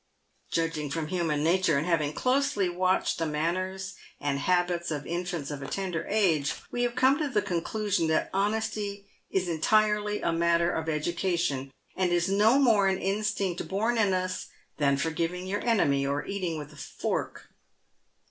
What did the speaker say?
Judging from human nature, and having closely watched the man ners and habits of infants of a tender age, we have come to the con clusion that honesty is entirely a matter of education, and is no more an instinct born in us than forgiving your enemy, or eating with a fork.